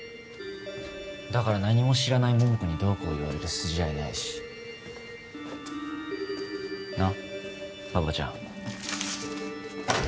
だから何も知らない桃子にどうこう言われる筋合いないしなっ馬場ちゃん